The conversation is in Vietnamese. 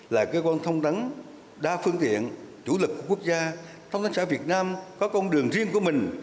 là cơ quan thông tấn đa phương tiện chủ lực của quốc gia thông tấn xã việt nam có công đường riêng của mình